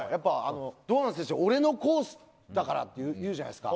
堂安選手、俺のコースだからと言うじゃないですか。